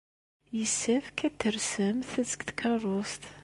Yessefk ad d-tersemt seg tkeṛṛust.